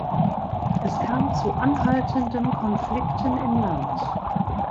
Es kam zu anhaltenden Konflikten im Land.